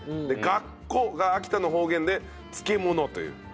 「がっこ」が秋田の方言で漬物という。